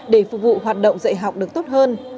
để phục vụ hoạt động dạy học được tốt hơn